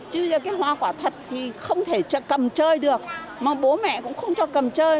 chứ cái hoa quả thật thì không thể cầm chơi được mà bố mẹ cũng không cho cầm chơi